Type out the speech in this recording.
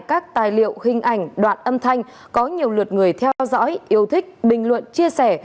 các tài liệu hình ảnh đoạn âm thanh có nhiều lượt người theo dõi yêu thích bình luận chia sẻ